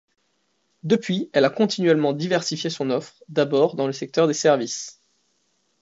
Depuis, elle a continuellement diversifié son offre, d'abord dans le secteur des services.